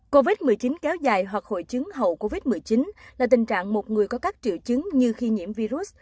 covid một mươi chín kéo dài hoặc hội chứng hậu covid một mươi chín là tình trạng một người có các triệu chứng như khi nhiễm virus